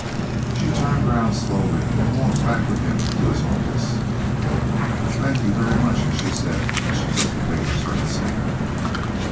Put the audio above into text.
She turned round slowly and walked back with him to his office. "Thank you very much," she said as she took the papers from his hand.